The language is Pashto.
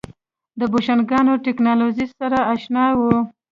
د بوشنګانو ټکنالوژۍ سره اشنا وو.